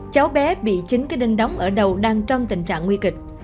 cháu bé bị chính cái đinh đóng ở đầu đang trong tình trạng nguy kịch